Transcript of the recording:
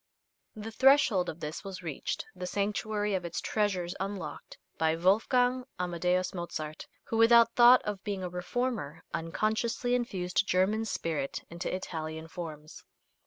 The threshold of this was reached, the sanctuary of its treasures unlocked, by Wolfgang Amadeus Mozart, who, without thought of being a reformer, unconsciously infused German spirit into Italian forms.